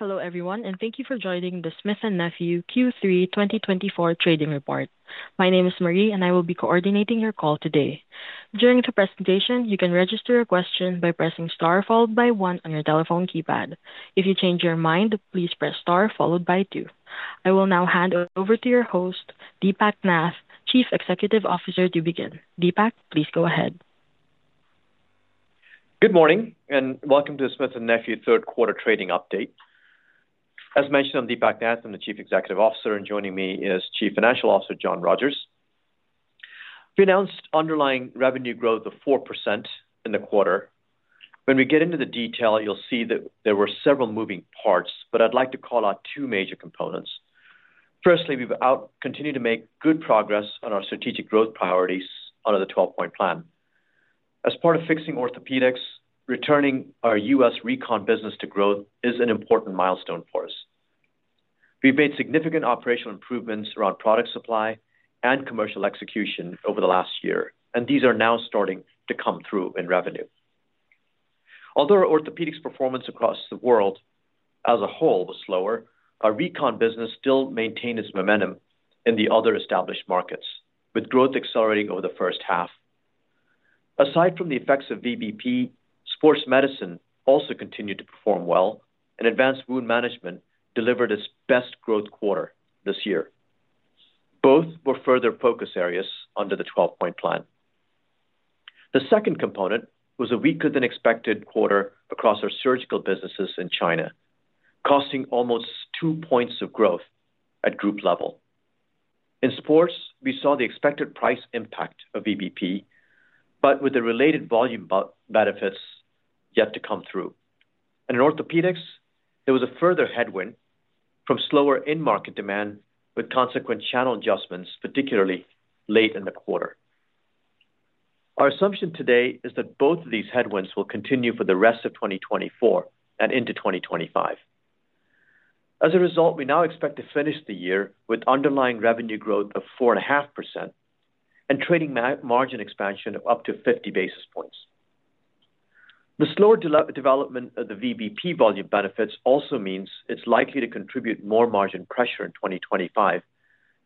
Hello everyone, and thank you for joining the Smith & Nephew Q3 2024 Trading Report. My name is Marie, and I will be coordinating your call today. During the presentation, you can register a question by pressing star followed by one on your telephone keypad. If you change your mind, please press star followed by two. I will now hand it over to your host, Deepak Nath, Chief Executive Officer, to begin. Deepak, please go ahead. Good morning, and welcome to the Smith & Nephew third quarter trading update. As mentioned, I'm Deepak Nath. I'm the Chief Executive Officer, and joining me is Chief Financial Officer, John Rogers. We announced underlying revenue growth of 4% in the quarter. When we get into the detail, you'll see that there were several moving parts, but I'd like to call out two major components. Firstly, we've continued to make good progress on our strategic growth priorities under the 12-Point Plan. As part of fixing Orthopedics, returning our U.S. Recon business to growth is an important milestone for us. We've made significant operational improvements around product supply and commercial execution over the last year, and these are now starting to come through in revenue. Although our Orthopedics performance across the world as a whole was slower, our recon business still maintained its momentum in the other established markets, with growth accelerating over the first half. Aside from the effects of VBP, Sports Medicine also continued to perform well, and Advanced Wound Management delivered its best growth quarter this year. Both were further focus areas under the 12-Point Plan. The second component was a weaker-than-expected quarter across our surgical businesses in China, costing almost two points of growth at group level. In sports, we saw the expected price impact of VBP, but with the related volume benefits yet to come through. And in Orthopedics, there was a further headwind from slower in-market demand, with consequent channel adjustments, particularly late in the quarter. Our assumption today is that both of these headwinds will continue for the rest of 2024 and into 2025. As a result, we now expect to finish the year with underlying revenue growth of 4.5% and trading margin expansion of up to 50 basis points. The slower development of the VBP volume benefits also means it's likely to contribute more margin pressure in 2025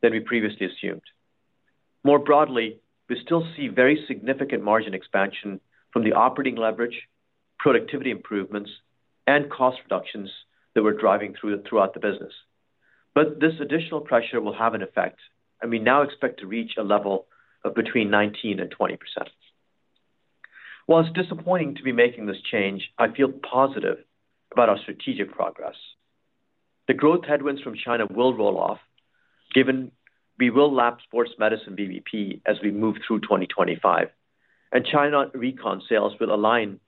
than we previously assumed. More broadly, we still see very significant margin expansion from the operating leverage, productivity improvements, and cost reductions that we're driving through throughout the business. But this additional pressure will have an effect, and we now expect to reach a level of between 19% and 20%. While it's disappointing to be making this change, I feel positive about our strategic progress. The growth headwinds from China will roll off, given we will lap Sports Medicine VBP as we move through 2025, and China Recon sales will align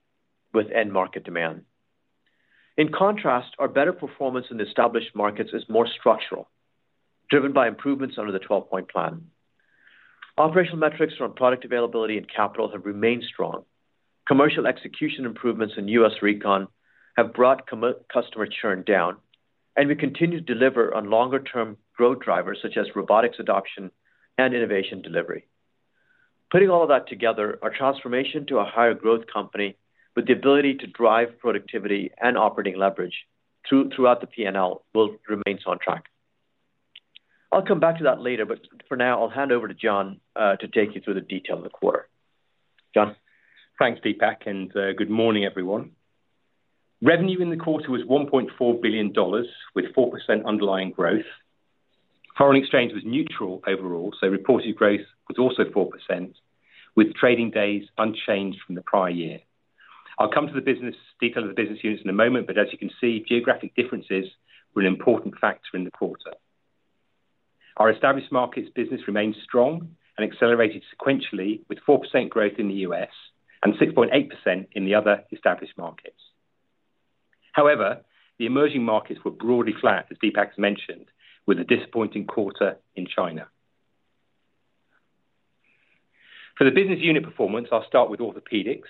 with end-market demand. In contrast, our better performance in the established markets is more structural, driven by improvements under the 12-Point Plan. Operational metrics from product availability and capital have remained strong. Commercial execution improvements in U.S. Recon have brought customer churn down, and we continue to deliver on longer-term growth drivers such as robotics adoption and innovation delivery. Putting all of that together, our transformation to a higher growth company with the ability to drive productivity and operating leverage throughout the P&L remains on track. I'll come back to that later, but for now, I'll hand over to John to take you through the detail of the quarter. John. Thanks, Deepak, and good morning, everyone. Revenue in the quarter was $1.4 billion, with 4% underlying growth. Foreign exchange was neutral overall, so reported growth was also 4%, with trading days unchanged from the prior year. I'll come to the business detail of the business units in a moment, but as you can see, geographic differences were an important factor in the quarter. Our established markets business remained strong and accelerated sequentially, with 4% growth in the U.S. and 6.8% in the other established markets. However, the emerging markets were broadly flat, as Deepak mentioned, with a disappointing quarter in China. For the business unit performance, I'll start with Orthopaedics,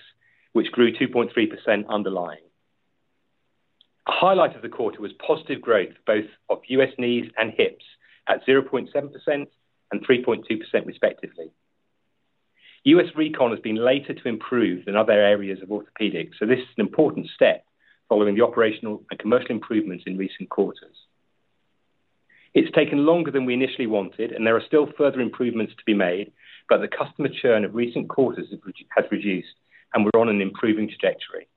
which grew 2.3% underlying. A highlight of the quarter was positive growth, both of U.S. knees and hips, at 0.7% and 3.2%, respectively. U.S. Recon has been later to improve than other areas of Orthopedics, so this is an important step following the operational and commercial improvements in recent quarters. It's taken longer than we initially wanted, and there are still further improvements to be made, but the customer churn of recent quarters has reduced, and we're on an improving trajectory.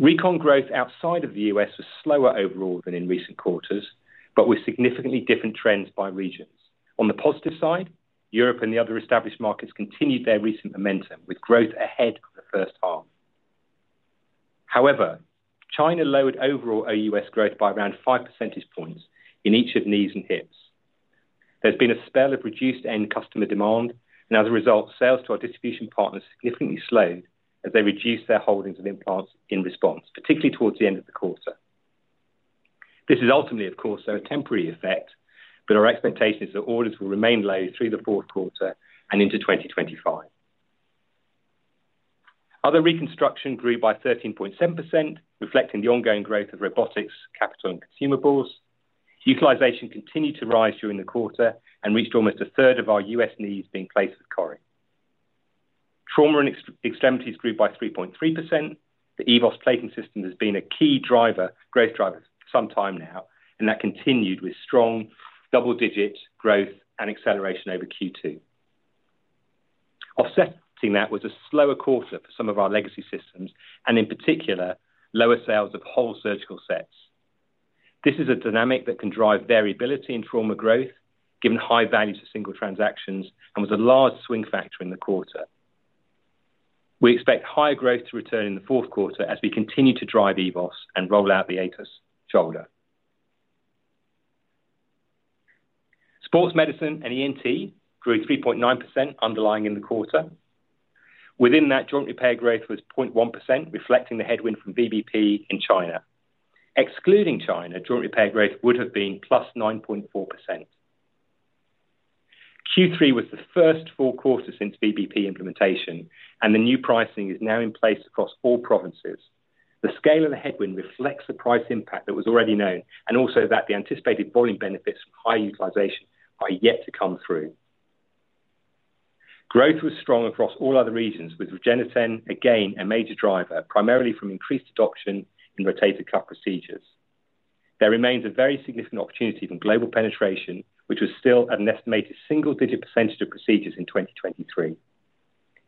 Recon growth outside of the U.S. was slower overall than in recent quarters, but with significantly different trends by regions. On the positive side, Europe and the other established markets continued their recent momentum, with growth ahead of the first half. However, China lowered overall U.S. growth by around 5 percentage points in each of knees and hips. There's been a spell of reduced end customer demand, and as a result, sales to our distribution partners significantly slowed as they reduced their holdings of implants in response, particularly towards the end of the quarter. This is ultimately, of course, a temporary effect, but our expectation is that orders will remain low through the fourth quarter and into 2025. Other Reconstruction grew by 13.7%, reflecting the ongoing growth of robotics, capital, and consumables. Utilization continued to rise during the quarter and reached almost a third of our U.S. knees being placed with CORI. Trauma and Extremities grew by 3.3%. The EVOS Plating System has been a key growth driver for some time now, and that continued with strong double-digit growth and acceleration over Q2. Offsetting that was a slower quarter for some of our legacy systems, and in particular, lower sales of whole surgical sets. This is a dynamic that can drive variability in trauma growth, given high values of single transactions, and was a large swing factor in the quarter. We expect higher growth to return in the fourth quarter as we continue to drive EVOS and roll out the AETOS shoulder. Sports Medicine and ENT grew 3.9% underlying in the quarter. Within that, Joint Repair growth was 0.1%, reflecting the headwind from VBP in China. Excluding China, Joint Repair growth would have been plus 9.4%. Q3 was the first full quarter since VBP implementation, and the new pricing is now in place across all provinces. The scale of the headwind reflects the price impact that was already known, and also that the anticipated volume benefits from higher utilization are yet to come through. Growth was strong across all other regions, with REGENETEN again a major driver, primarily from increased adoption in rotator cuff procedures. There remains a very significant opportunity from global penetration, which was still an estimated single-digit % of procedures in 2023.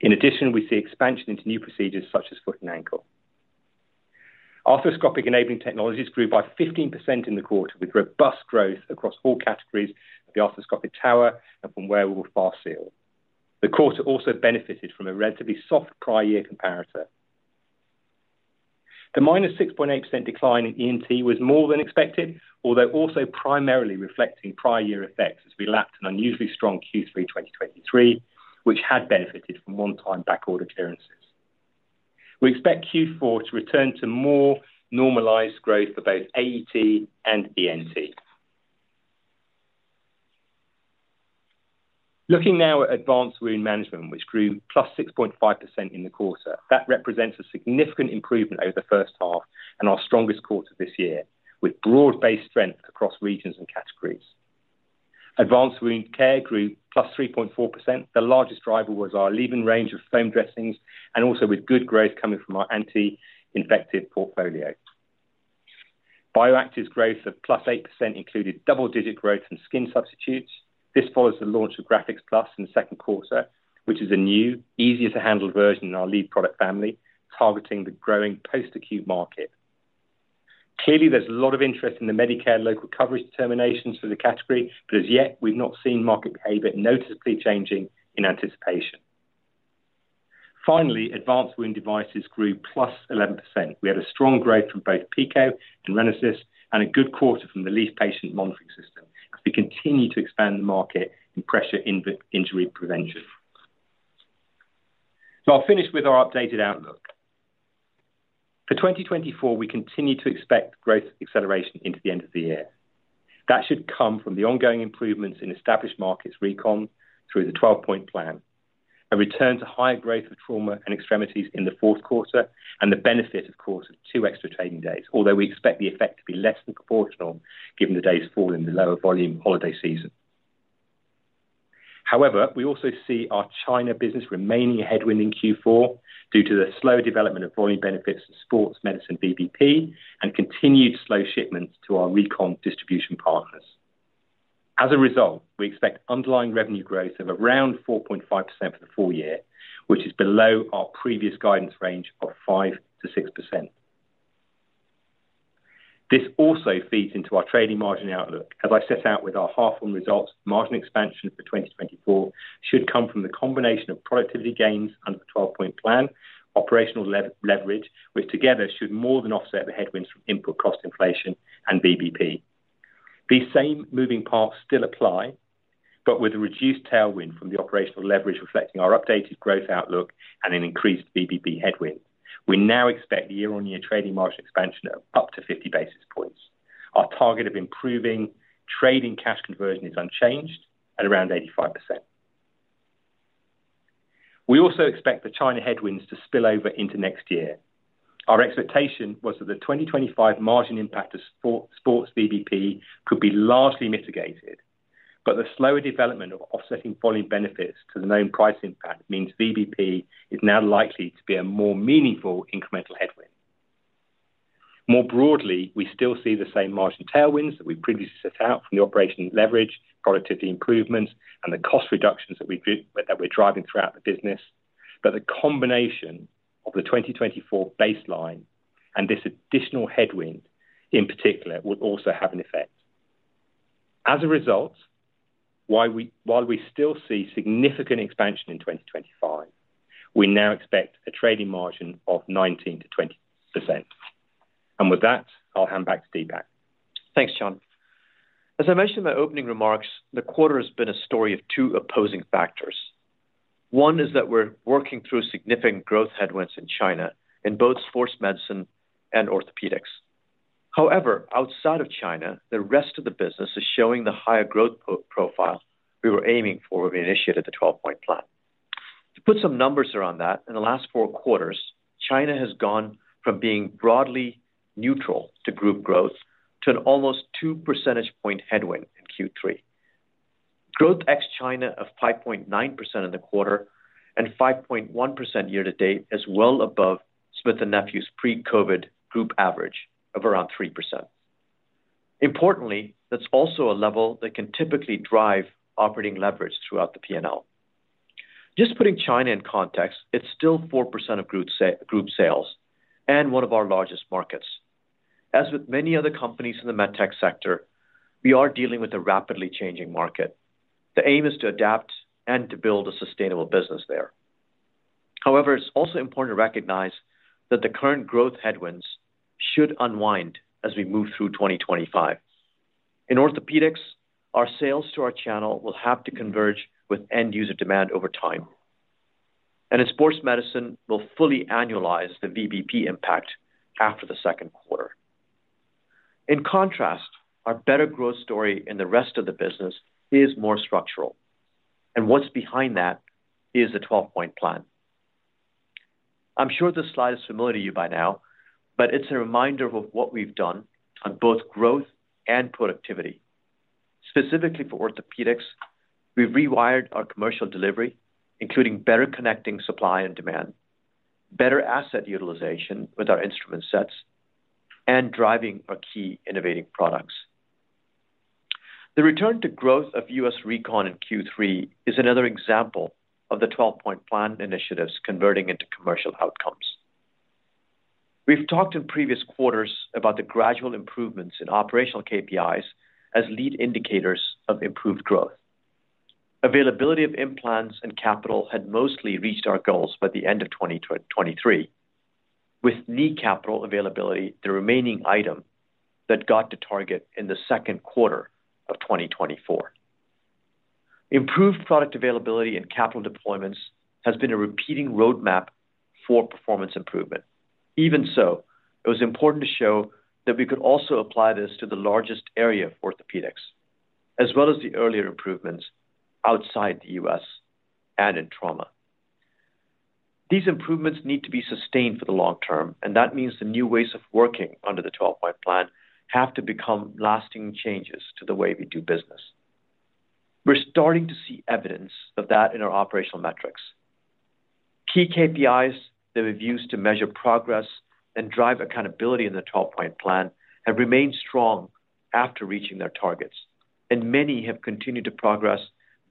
In addition, we see expansion into new procedures such as foot and ankle. Arthroscopic Enabling Technologies grew by 15% in the quarter, with robust growth across all categories of the arthroscopic tower and from where we were a year ago. The quarter also benefited from a relatively soft prior year comparator. The minus 6.8% decline in ENT was more than expected, although also primarily reflecting prior year effects as we lapped an unusually strong Q3 2023, which had benefited from one-time backorder clearances. We expect Q4 to return to more normalized growth for both AET and ENT. Looking now at Advanced Wound Management, which grew plus 6.5% in the quarter, that represents a significant improvement over the first half and our strongest quarter this year, with broad-based strength across regions and categories. Advanced Wound Care grew plus 3.4%. The largest driver was our ALLEVYN range of foam dressings, and also with good growth coming from our anti-infective portfolio. Bioactives' growth of plus 8% included double-digit growth in skin substitutes. This follows the launch of GRAFIX PLUS in the second quarter, which is a new, easier-to-handle version in our lead product family, targeting the growing post-acute market. Clearly, there's a lot of interest in the Medicare local coverage determinations for the category, but as yet, we've not seen market behavior noticeably changing in anticipation. Finally, Advanced Wound Devices grew plus 11%. We had a strong growth from both PICO and RENASYS and a good quarter from the LEAF Patient Monitoring System, as we continue to expand the market in pressure injury prevention. So I'll finish with our updated outlook. For 2024, we continue to expect growth acceleration into the end of the year. That should come from the ongoing improvements in established markets Recon through the 12-Point Plan, a return to higher growth of Trauma and Extremities in the fourth quarter, and the benefit, of course, of two extra trading days, although we expect the effect to be less than proportional given the day's fall in the lower volume holiday season. However, we also see our China business remaining a headwind in Q4 due to the slow development of volume benefits in Sports Medicine VBP and continued slow shipments to our Recon distribution partners. As a result, we expect underlying revenue growth of around 4.5% for the full year, which is below our previous guidance range of 5%-6%. This also feeds into our trading margin outlook. As I set out with our half-year results, margin expansion for 2024 should come from the combination of productivity gains under the 12-Point Plan, operational leverage, which together should more than offset the headwinds from input cost inflation and VBP. These same moving parts still apply, but with a reduced tailwind from the operational leverage, reflecting our updated growth outlook and an increased VBP headwind. We now expect year-on-year trading margin expansion of up to 50 basis points. Our target of improving trading cash conversion is unchanged at around 85%. We also expect the China headwinds to spill over into next year. Our expectation was that the 2025 margin impact of sports VBP could be largely mitigated, but the slower development of offsetting volume benefits to the known price impact means VBP is now likely to be a more meaningful incremental headwind. More broadly, we still see the same margin tailwinds that we previously set out from the operational leverage, productivity improvements, and the cost reductions that we're driving throughout the business, but the combination of the 2024 baseline and this additional headwind in particular would also have an effect. As a result, while we still see significant expansion in 2025, we now expect a trading margin of 19%-20%. And with that, I'll hand back to Deepak. Thanks, John. As I mentioned in my opening remarks, the quarter has been a story of two opposing factors. One is that we're working through significant growth headwinds in China in both Sports Medicine and Orthopaedics. However, outside of China, the rest of the business is showing the higher growth profile we were aiming for when we initiated the 12-Point Plan. To put some numbers around that, in the last four quarters, China has gone from being broadly neutral to group growth to an almost two percentage point headwind in Q3. Growth ex-China of 5.9% in the quarter and 5.1% year-to-date is well above Smith & Nephew's pre-COVID group average of around 3%. Importantly, that's also a level that can typically drive operating leverage throughout the P&L. Just putting China in context, it's still 4% of group sales and one of our largest markets. As with many other companies in the med tech sector, we are dealing with a rapidly changing market. The aim is to adapt and to build a sustainable business there. However, it's also important to recognize that the current growth headwinds should unwind as we move through 2025. In Orthopedics, our sales to our channel will have to converge with end-user demand over time. And in Sports Medicine, we'll fully annualize the VBP impact after the second quarter. In contrast, our better growth story in the rest of the business is more structural. And what's behind that is the 12-Point Plan. I'm sure this slide is familiar to you by now, but it's a reminder of what we've done on both growth and productivity. Specifically for orthopedics, we've rewired our commercial delivery, including better connecting supply and demand, better asset utilization with our instrument sets, and driving our key innovating products. The return to growth of U.S. Recon in Q3 is another example of the 12-Point Plan initiatives converting into commercial outcomes. We've talked in previous quarters about the gradual improvements in operational KPIs as lead indicators of improved growth. Availability of implants and capital had mostly reached our goals by the end of 2023, with knee capital availability the remaining item that got to target in the second quarter of 2024. Improved product availability and capital deployments has been a repeating roadmap for performance improvement. Even so, it was important to show that we could also apply this to the largest area of Orthopedics, as well as the earlier improvements outside the U.S. and in trauma. These improvements need to be sustained for the long term, and that means the new ways of working under the 12-Point Plan have to become lasting changes to the way we do business. We're starting to see evidence of that in our operational metrics. Key KPIs that we've used to measure progress and drive accountability in the 12-Point Plan have remained strong after reaching their targets, and many have continued to progress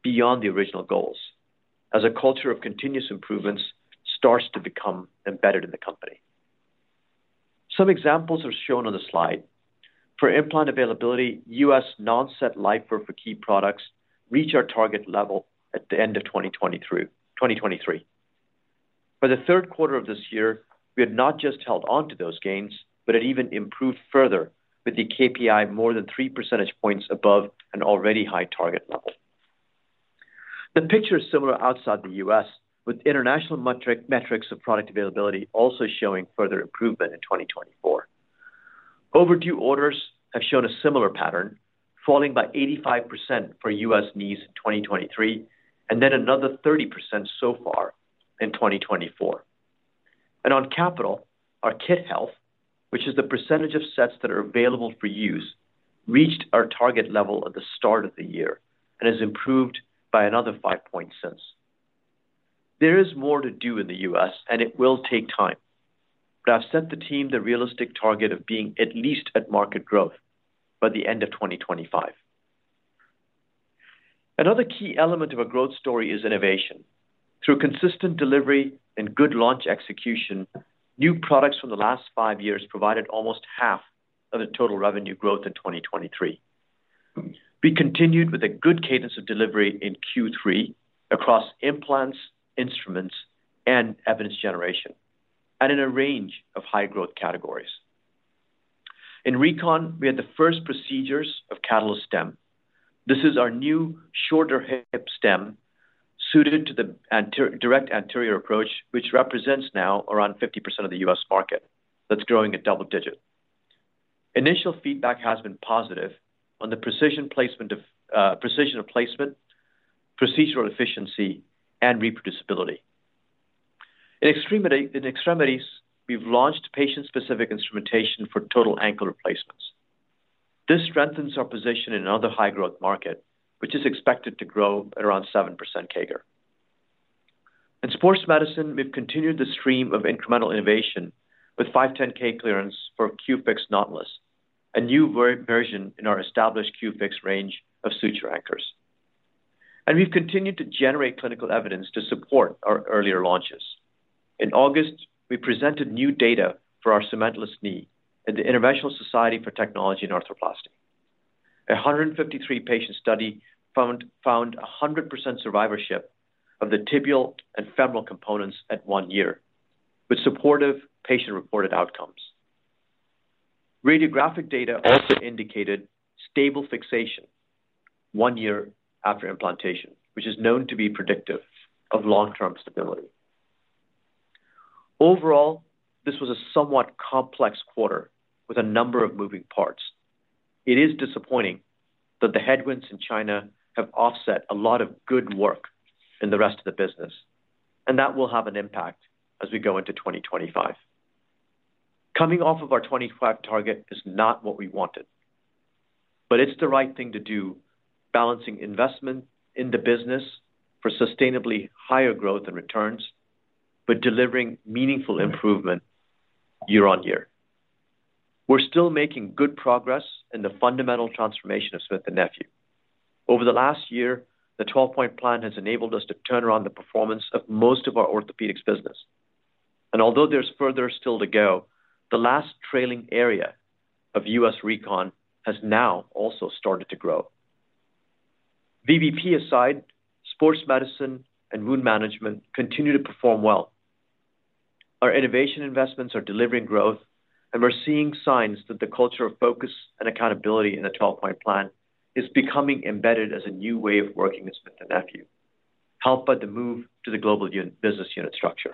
beyond the original goals as a culture of continuous improvements starts to become embedded in the company. Some examples are shown on the slide. For implant availability, U.S. non-set LIF for key products reached our target level at the end of 2023. For the third quarter of this year, we had not just held on to those gains, but had even improved further with the KPI more than 3 percentage points above an already high target level. The picture is similar outside the U.S., with international metrics of product availability also showing further improvement in 2024. Overdue orders have shown a similar pattern, falling by 85% for U.S. knees in 2023, and then another 30% so far in 2024, and on capital, our kit health, which is the percentage of sets that are available for use, reached our target level at the start of the year and has improved by another 5 points since. There is more to do in the U.S., and it will take time, but I've set the team the realistic target of being at least at market growth by the end of 2025. Another key element of a growth story is innovation. Through consistent delivery and good launch execution, new products from the last five years provided almost half of the total revenue growth in 2023. We continued with a good cadence of delivery in Q3 across implants, instruments, and evidence generation, and in a range of high-growth categories. In Recon, we had the first procedures of CATALYSTEM. This is our new shorter hip stem suited to the direct anterior approach, which represents now around 50% of the U.S. market. That's growing at double digit. Initial feedback has been positive on the precision placement of procedural efficiency and reproducibility. In Extremities, we've launched patient-specific instrumentation for total ankle replacements. This strengthens our position in another high-growth market, which is expected to grow at around 7% CAGR. In Sports Medicine, we've continued the stream of incremental innovation with 510(k) clearance for Q-FIX Nautilus, a new version in our established Q-FIX range of suture anchors, and we've continued to generate clinical evidence to support our earlier launches. In August, we presented new data for our cementless knee at the International Society for Technology in Arthroplasty. A 153-patient study found 100% survivorship of the tibial and femoral components at one year, with supportive patient-reported outcomes. Radiographic data also indicated stable fixation one year after implantation, which is known to be predictive of long-term stability. Overall, this was a somewhat complex quarter with a number of moving parts. It is disappointing that the headwinds in China have offset a lot of good work in the rest of the business, and that will have an impact as we go into 2025. Coming off of our 2025 target is not what we wanted, but it's the right thing to do, balancing investment in the business for sustainably higher growth and returns, but delivering meaningful improvement year-on-year. We're still making good progress in the fundamental transformation of Smith & Nephew. Over the last year, the 12-Point Plan has enabled us to turn around the performance of most of our Orthopedics business, and although there's further still to go, the last trailing area of U.S. Recon has now also started to grow. VBP aside, Sports Medicine and Wound Management continue to perform well. Our innovation investments are delivering growth, and we're seeing signs that the culture of focus and accountability in the 12-Point Plan is becoming embedded as a new way of working at Smith & Nephew, helped by the move to the global business unit structure.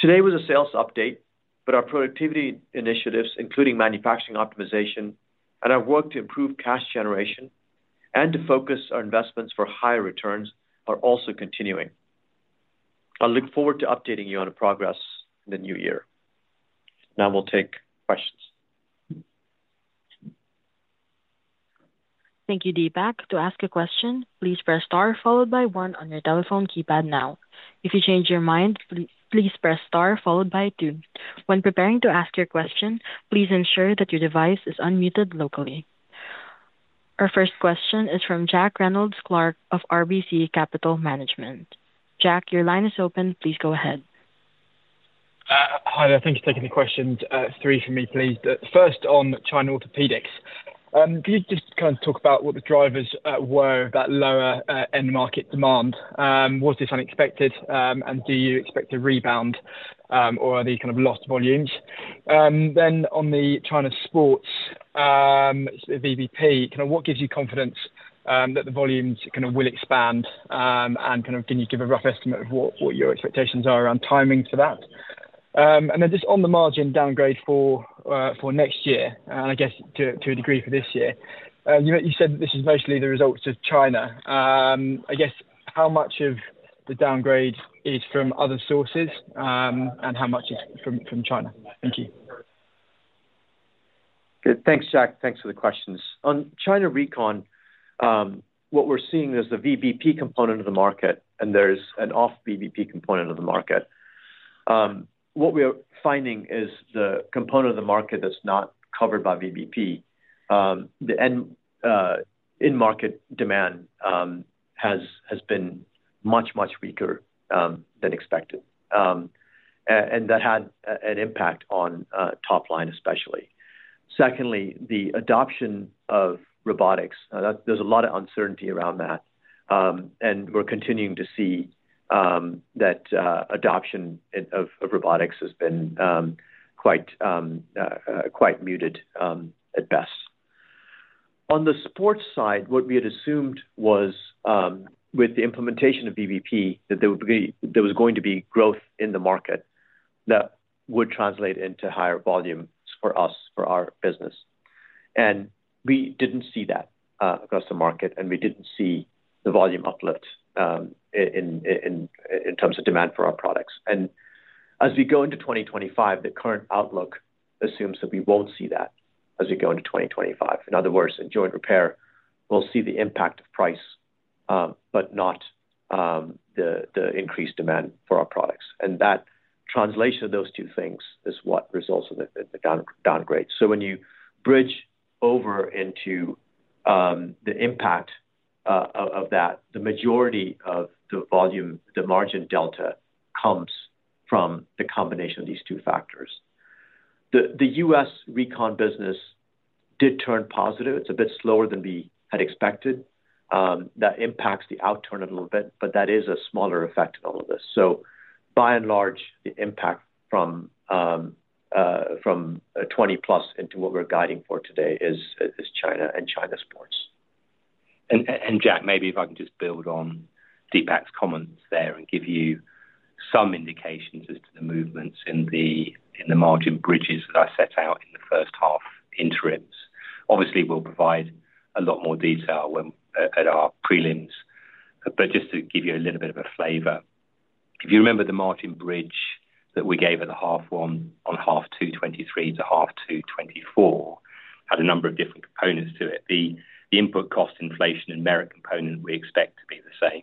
Today was a sales update, but our productivity initiatives, including manufacturing optimization and our work to improve cash generation and to focus our investments for higher returns, are also continuing. I'll look forward to updating you on the progress in the new year. Now we'll take questions. Thank you, Deepak. To ask a question, please press star followed by one on your telephone keypad now. If you change your mind, please press star followed by two. When preparing to ask your question, please ensure that your device is unmuted locally. Our first question is from Jack Reynolds-Clark of RBC Capital Markets. Jack, your line is open. Please go ahead. Hi, thank you for taking the questions. Three for me, please. First, on China Orthopedics, can you just kind of talk about what the drivers were that lower end market demand? Was this unexpected, and do you expect a rebound, or are they kind of lost volumes? Then on the China sports, VBP, kind of what gives you confidence that the volumes kind of will expand, and kind of can you give a rough estimate of what your expectations are around timing for that? And then just on the margin downgrade for next year, and I guess to a degree for this year, you said that this is mostly the results of China. I guess how much of the downgrade is from other sources, and how much is from China? Thank you. Good. Thanks, Jack. Thanks for the questions. On China Recon, what we're seeing is the VBP component of the market, and there's an off-VBP component of the market. What we're finding is the component of the market that's not covered by VBP. The in-market demand has been much, much weaker than expected, and that had an impact on top line, especially. Secondly, the adoption of robotics, there's a lot of uncertainty around that, and we're continuing to see that adoption of robotics has been quite muted at best. On the sports side, what we had assumed was, with the implementation of VBP, that there was going to be growth in the market that would translate into higher volumes for us, for our business. And we didn't see that across the market, and we didn't see the volume uplift in terms of demand for our products. As we go into 2025, the current outlook assumes that we won't see that as we go into 2025. In other words, in Joint Repair, we'll see the impact of price, but not the increased demand for our products. And that translation of those two things is what results in the downgrade. So when you bridge over into the impact of that, the majority of the margin delta comes from the combination of these two factors. The U.S. Recon business did turn positive. It's a bit slower than we had expected. That impacts the outturn a little bit, but that is a smaller effect in all of this. So by and large, the impact from 20+ into what we're guiding for today is China and China sports. Jack, maybe if I can just build on Deepak's comments there and give you some indications as to the movements in the margin bridges that I set out in the first half interims. Obviously, we'll provide a lot more detail at our prelims, but just to give you a little bit of a flavor, if you remember the margin bridge that we gave at the half one on half two 23 to half two 24, had a number of different components to it. The input cost inflation and merit component, we expect to be the same.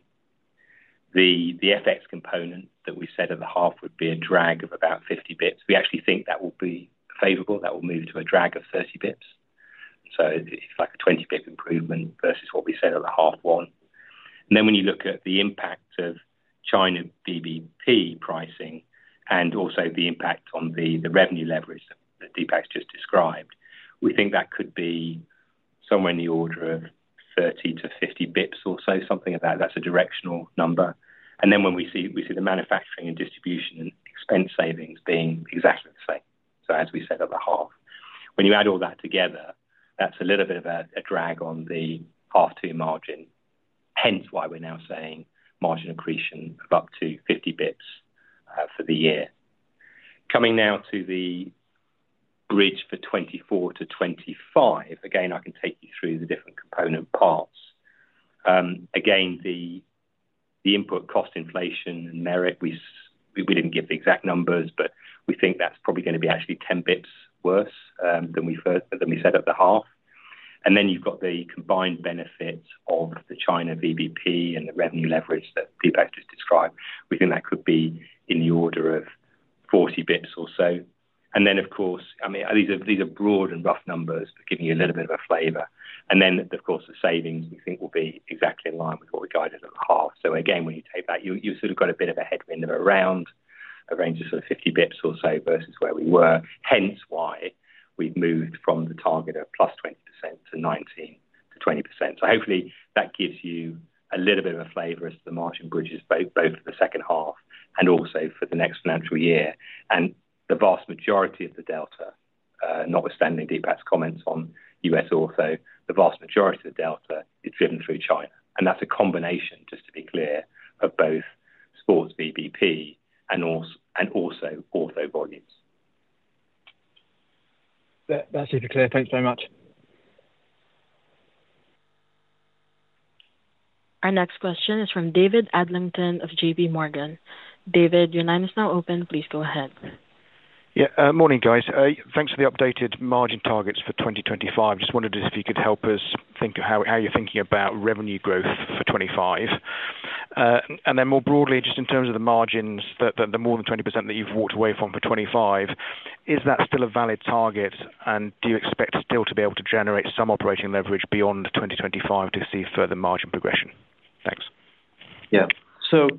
The FX component that we said at the half would be a drag of about 50 basis points. We actually think that will be favorable. That will move to a drag of 30 basis points. So it's like a 20-basis point improvement versus what we said at the half one. Then when you look at the impact of China VBP pricing and also the impact on the revenue leverage that Deepak's just described, we think that could be somewhere in the order of 30-50 basis points or so, something like that. That's a directional number. Then when we see the manufacturing and distribution and expense savings being exactly the same, so as we said at the half, when you add all that together, that's a little bit of a drag on the half two margin, hence why we're now saying margin accretion of up to 50 basis points for the year. Coming now to the bridge for 2024 to 2025, again, I can take you through the different component parts. Again, the input cost inflation and merit, we didn't give the exact numbers, but we think that's probably going to be actually 10 basis points worse than we said at the half. You've got the combined benefits of the China VBP and the revenue leverage that Deepak just described. We think that could be in the order of 40 basis points or so. Of course, I mean, these are broad and rough numbers, but giving you a little bit of a flavor. Of course, the savings we think will be exactly in line with what we guided at the half. When you take that, you sort of got a bit of a headwind of around a range of sort of 50 basis points or so versus where we were, hence why we've moved from the target of plus 20% to 19%-20%. So hopefully that gives you a little bit of a flavor as to the margin bridges, both for the second half and also for the next financial year. And the vast majority of the delta, notwithstanding Deepak's comments on U.S. ortho, the vast majority of the delta is driven through China. And that's a combination, just to be clear, of both sports VBP and also ortho volumes. That's it for today. Thanks very much. Our next question is from David Adlington of JPMorgan. David, your line is now open. Please go ahead. Yeah. Morning, guys. Thanks for the updated margin targets for 2025. Just wondered if you could help us think how you're thinking about revenue growth for 25, and then more broadly, just in terms of the margins, the more than 20% that you've walked away from for 25, is that still a valid target, and do you expect still to be able to generate some operating leverage beyond 2025 to see further margin progression? Thanks. Yeah. So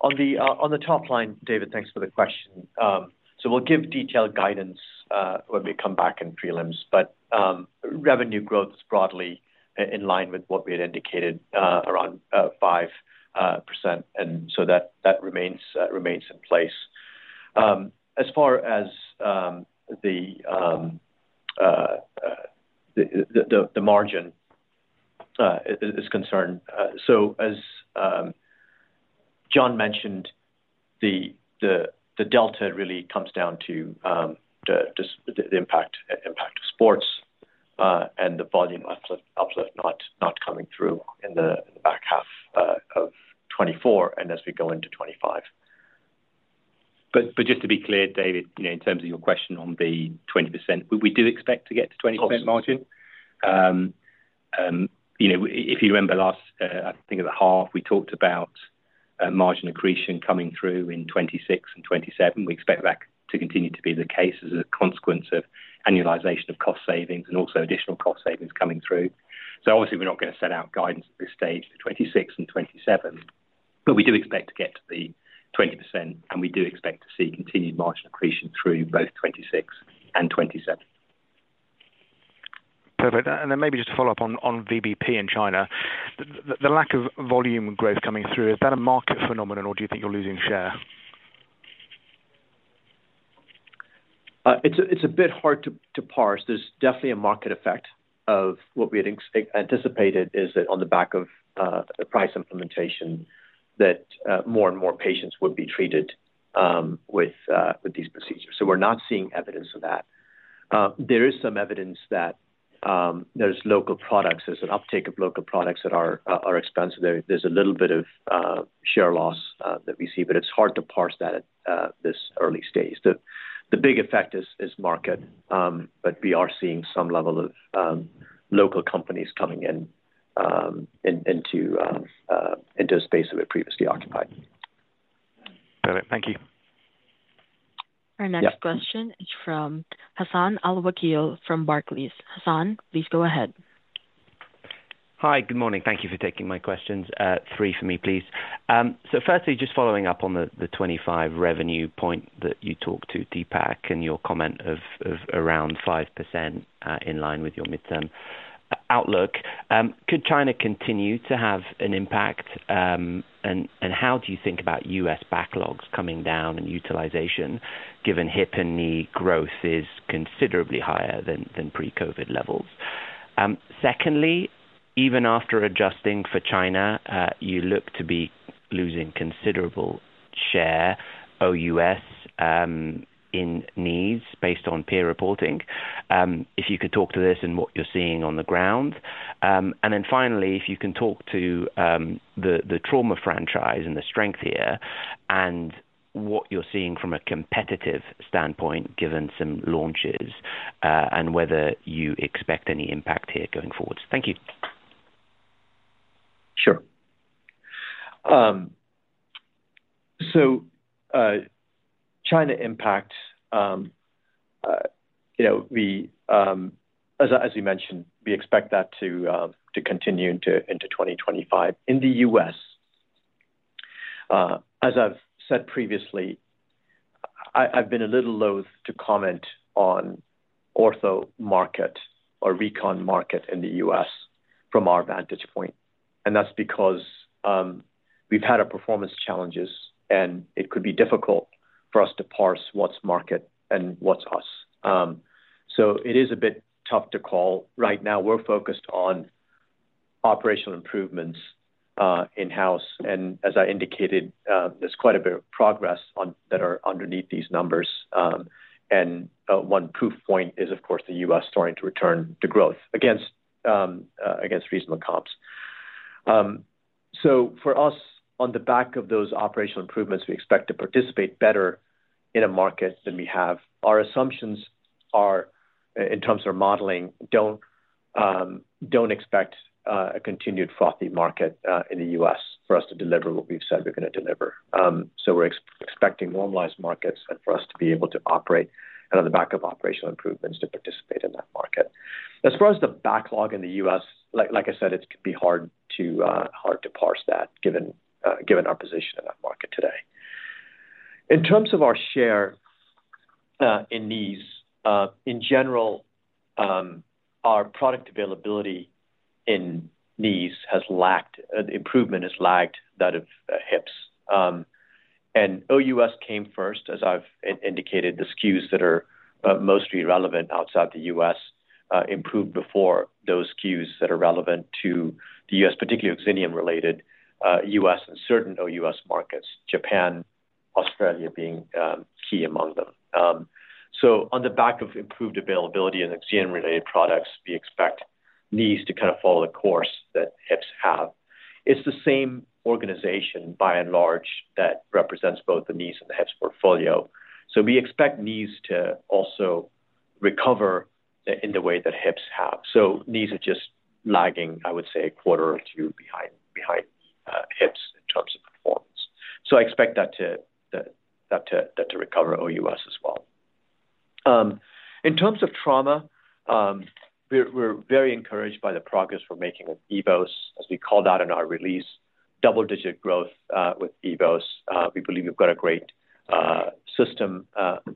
on the top line, David, thanks for the question. So we'll give detailed guidance when we come back in prelims, but revenue growth is broadly in line with what we had indicated around 5%, and so that remains in place. As far as the margin is concerned, so as John mentioned, the delta really comes down to the impact of sports and the volume uplift not coming through in the back half of 2024 and as we go into 2025. But just to be clear, David, in terms of your question on the 20%, we do expect to get to 20% margin. If you remember last, I think of the half, we talked about margin accretion coming through in 2026 and 2027. We expect that to continue to be the case as a consequence of annualization of cost savings and also additional cost savings coming through. So obviously, we're not going to set out guidance at this stage for 2026 and 2027, but we do expect to get to the 20%, and we do expect to see continued margin accretion through both 2026 and 2027. Perfect. And then maybe just to follow up on VBP in China, the lack of volume growth coming through, is that a market phenomenon, or do you think you're losing share? It's a bit hard to parse. There's definitely a market effect of what we had anticipated is that on the back of price implementation, that more and more patients would be treated with these procedures. So we're not seeing evidence of that. There is some evidence that there's local products. There's an uptake of local products that are expensive. There's a little bit of share loss that we see, but it's hard to parse that at this early stage. The big effect is market, but we are seeing some level of local companies coming into a space that we previously occupied. Perfect. Thank you. Our next question is from Hassan Al-Wakil from Barclays. Hassan, please go ahead. Hi, good morning. Thank you for taking my questions. Three for me, please. So firstly, just following up on the 25 revenue point that you talked to Deepak and your comment of around 5% in line with your midterm outlook, could China continue to have an impact, and how do you think about U.S. backlogs coming down and utilization, given hip and knee growth is considerably higher than pre-COVID levels? Secondly, even after adjusting for China, you look to be losing considerable share OUS in knees based on peer reporting. If you could talk to this and what you're seeing on the ground. And then finally, if you can talk to the trauma franchise and the strength here and what you're seeing from a competitive standpoint, given some launches, and whether you expect any impact here going forward. Thank you. Sure. So, China impact, as you mentioned, we expect that to continue into 2025. In the U.S., as I've said previously, I've been a little loath to comment on ortho market or recon market in the U.S. from our vantage point, and that's because we've had performance challenges, and it could be difficult for us to parse what's market and what's us, so it is a bit tough to call right now. We're focused on operational improvements in-house, and as I indicated, there's quite a bit of progress that are underneath these numbers, and one proof point is, of course, the U.S. starting to return to growth against reasonable comps, so for us, on the back of those operational improvements, we expect to participate better in a market than we have. Our assumptions are, in terms of our modeling, don't expect a continued frothy market in the U.S. for us to deliver what we've said we're going to deliver. So we're expecting normalized markets for us to be able to operate and on the back of operational improvements to participate in that market. As far as the backlog in the U.S., like I said, it could be hard to parse that given our position in that market today. In terms of our share in knees, in general, our product availability in knees has lacked. Improvement has lagged that of hips, and OUS came first, as I've indicated, the SKUs that are mostly relevant outside the U.S. improved before those SKUs that are relevant to the U.S., particularly OXINIUM-related U.S. and certain OUS markets, Japan, Australia being key among them. So on the back of improved availability and OXINIUM-related products, we expect knees to kind of follow the course that hips have. It's the same organization by and large that represents both the knees and the hips portfolio. So we expect knees to also recover in the way that hips have. So knees are just lagging, I would say, a quarter or two behind hips in terms of performance. So I expect that to recover OUS as well. In terms of trauma, we're very encouraged by the progress we're making with EVOS, as we called out in our release, double-digit growth with EVOS. We believe we've got a great system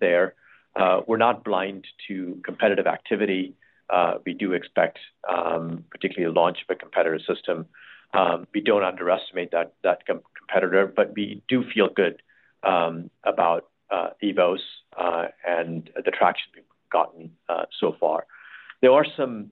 there. We're not blind to competitive activity. We do expect particularly the launch of a competitive system. We don't underestimate that competitor, but we do feel good about EVOS and the traction we've gotten so far. There are some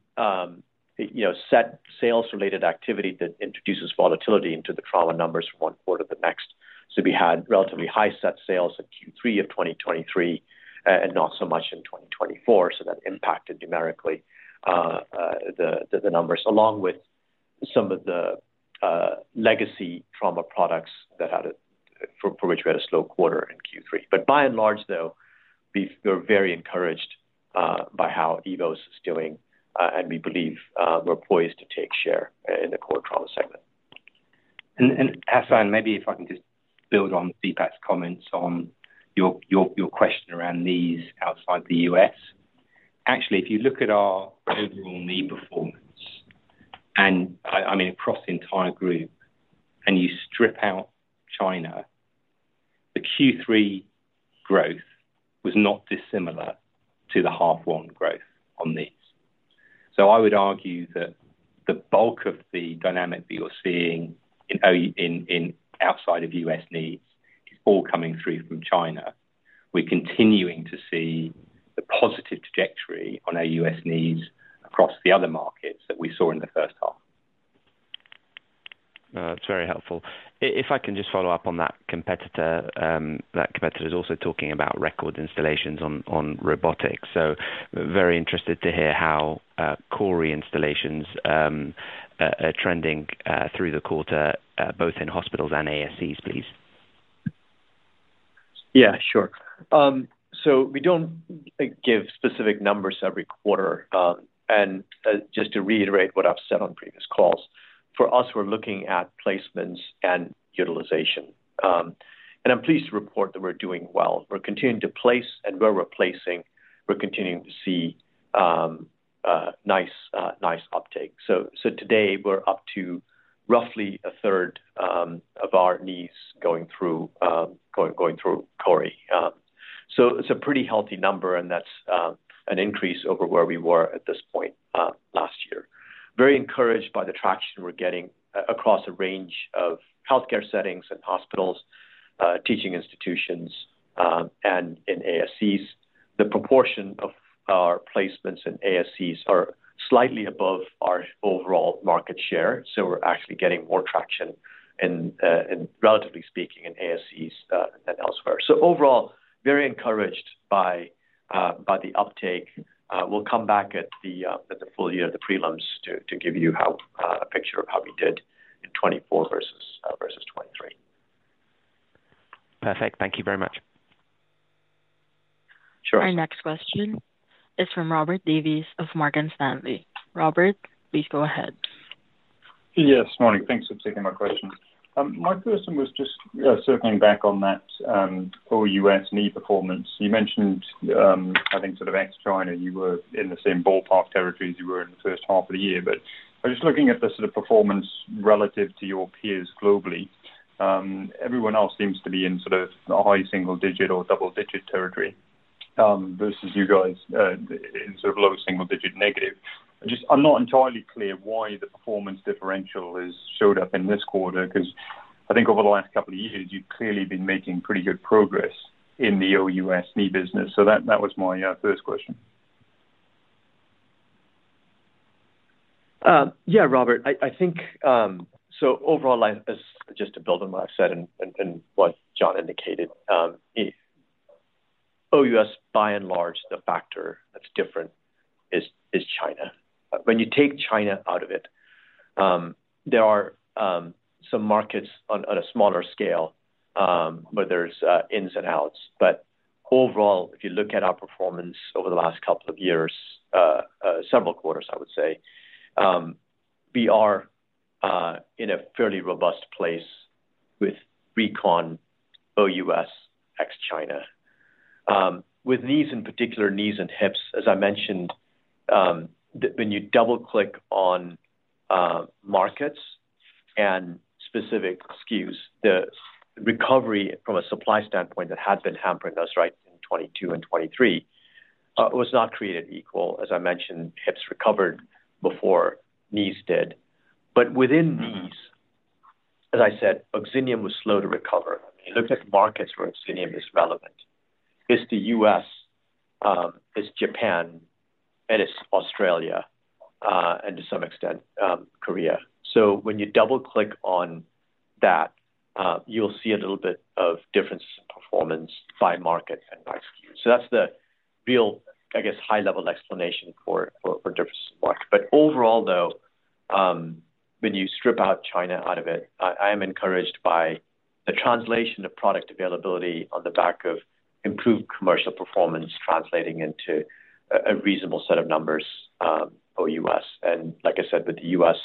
set sales-related activity that introduces volatility into the trauma numbers from one quarter to the next. So we had relatively high set sales in Q3 of 2023 and not so much in 2024. So that impacted numerically the numbers, along with some of the legacy trauma products for which we had a slow quarter in Q3. But by and large, though, we're very encouraged by how EVOS is doing, and we believe we're poised to take share in the core trauma segment. And Hassan, maybe if I can just build on Deepak's comments on your question around knees outside the U.S. Actually, if you look at our overall knee performance, and I mean, across the entire group, and you strip out China, the Q3 growth was not dissimilar to the half one growth on knees. So I would argue that the bulk of the dynamic that you're seeing outside of U.S. knees is all coming through from China. We're continuing to see the positive trajectory on our U.S. knees across the other markets that we saw in the first half. That's very helpful. If I can just follow up on that competitor, that competitor is also talking about record installations on robotics. So very interested to hear how CORI installations are trending through the quarter, both in hospitals and ASCs, please. Yeah, sure. So we don't give specific numbers every quarter, and just to reiterate what I've said on previous calls, for us, we're looking at placements and utilization, and I'm pleased to report that we're doing well. We're continuing to place, and where we're placing, we're continuing to see nice uptake, so today, we're up to roughly a third of our knees going through CORI. So it's a pretty healthy number, and that's an increase over where we were at this point last year, very encouraged by the traction we're getting across a range of healthcare settings and hospitals, teaching institutions, and in ASCs. The proportion of our placements in ASCs are slightly above our overall market share, so we're actually getting more traction, relatively speaking, in ASCs than elsewhere, so overall, very encouraged by the uptake. We'll come back at the full year of the prelims to give you a picture of how we did in 2024 versus 2023. Perfect. Thank you very much. Sure. Our next question is from Robert Davies of Morgan Stanley. Robert, please go ahead. Yes. Morning. Thanks for taking my question. My question was just circling back on that OUS knee performance. You mentioned, I think, sort of ex-China, you were in the same ballpark territory as you were in the first half of the year. But just looking at the sort of performance relative to your peers globally, everyone else seems to be in sort of a high single-digit or double-digit territory versus you guys in sort of low single-digit negative. I'm not entirely clear why the performance differential has showed up in this quarter because I think over the last couple of years, you've clearly been making pretty good progress in the OUS knee business. So that was my first question. Yeah, Robert. So overall, just to build on what I've said and what John indicated, OUS, by and large, the factor that's different is China. When you take China out of it, there are some markets on a smaller scale where there's ins and outs. But overall, if you look at our performance over the last couple of years, several quarters, I would say, we are in a fairly robust place with Recon OUS ex-China. With knees, in particular, knees and hips, as I mentioned, when you double-click on markets and specific SKUs, the recovery from a supply standpoint that had been hampering us right in 2022 and 2023 was not created equal. As I mentioned, hips recovered before knees did. But within knees, as I said, OXINIUM was slow to recover. It looks like markets where OXINIUM is relevant. It's the U.S., it's Japan, and it's Australia, and to some extent, Korea. So when you double-click on that, you'll see a little bit of differences in performance by market and by SKU. So that's the real, I guess, high-level explanation for differences in market. But overall, though, when you strip out China out of it, I am encouraged by the translation of product availability on the back of improved commercial performance translating into a reasonable set of numbers OUS. And like I said, with the U.S.,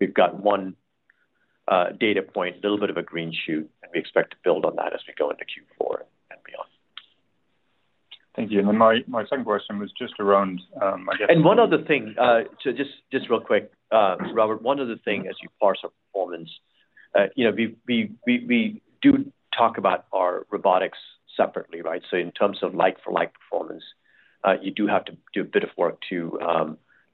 we've got one data point, a little bit of a green shoot, and we expect to build on that as we go into Q4 and beyond. Thank you. And then my second question was just around, I guess. And one other thing, just real quick, Robert, one other thing as you parse our performance, we do talk about our robotics separately, right? So in terms of like-for-like performance, you do have to do a bit of work to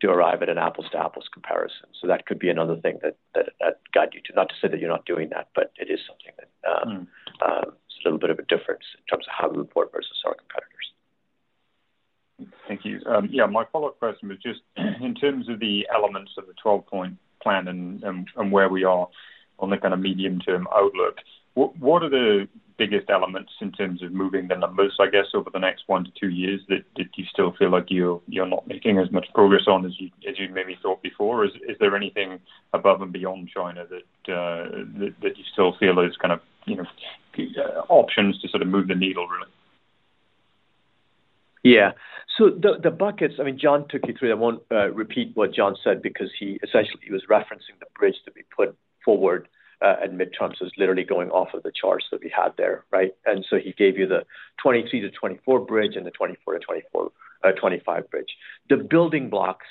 arrive at an apples-to-apples comparison. So that could be another thing that got you to not to say that you're not doing that, but it is something that it's a little bit of a difference in terms of how we report versus our competitors. Thank you. Yeah, my follow-up question was just in terms of the elements of the 12-Point Plan and where we are on the kind of medium-term outlook, what are the biggest elements in terms of moving the numbers, I guess, over the next one to two years that you still feel like you're not making as much progress on as you maybe thought before? Is there anything above and beyond China that you still feel is kind of options to sort of move the needle, really? Yeah. So the buckets, I mean, John took you through. I won't repeat what John said because he essentially was referencing the bridge that we put forward at midterms that was literally going off of the charts that we had there, right? And so he gave you the 2023 - 2024 bridge and the 2024 - 2025 bridge. The building blocks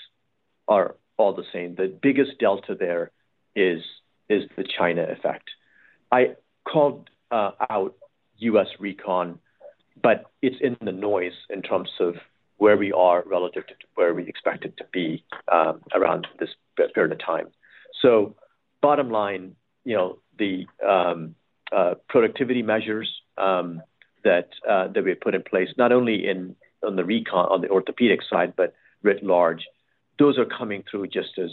are all the same. The biggest delta there is the China effect. I called out U.S. Recon, but it's in the noise in terms of where we are relative to where we expect it to be around this period of time. So bottom line, the productivity measures that we have put in place, not only on the recon on the orthopedic side, but writ large, those are coming through just as